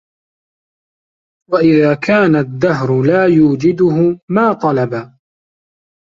وَإِذَا كَانَ الدَّهْرِ لَا يُوجِدُهُ مَا طَلَبَ